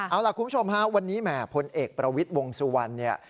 เอาล่ะคุณผู้ชมฮะวันนี้แหมพลเอกประวิทย์วงสุวรรณเนี่ย